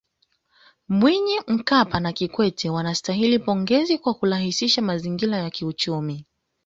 Mwinyi Mkapa na Kikwete wanastahili pongezi kwa kurahisisha mazingira ya kiuchumi